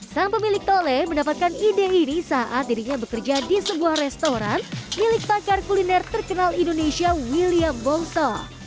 sang pemilik tole mendapatkan ide ini saat dirinya bekerja di sebuah restoran milik pakar kuliner terkenal indonesia william bongso